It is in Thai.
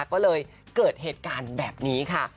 ก็เลยเกิดเหตุการณ์แบบนี้ค่ะ